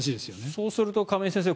そうすると亀井先生